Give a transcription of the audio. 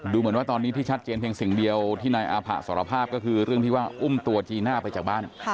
เหมือนว่าตอนนี้ที่ชัดเจนเพียงสิ่งเดียวที่นายอาผะสารภาพก็คือเรื่องที่ว่าอุ้มตัวจีน่าไปจากบ้าน